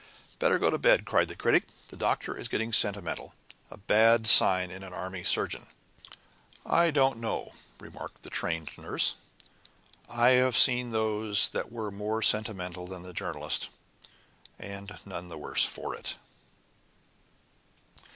"Better go to bed," cried the Critic; "the Doctor is getting sentimental a bad sign in an army surgeon." "I don't know," remarked the Trained Nurse; "I've seen those that were more sentimental than the Journalist, and none the worse for it."